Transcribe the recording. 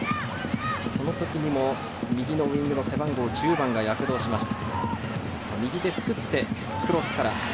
その時にも右のウィングの背番号１０番が躍動しました。